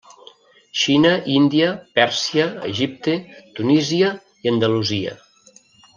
Xina, Índia, Pèrsia, Egipte, Tunísia i Andalusia.